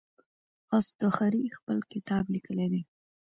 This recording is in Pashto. اصطخري خپل کتاب لیکلی دی.